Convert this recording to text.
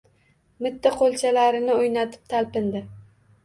Mitti qo‘lchalarini o‘ynatib talpindi